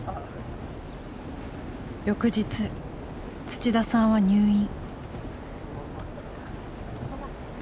翌日土田さんは入院。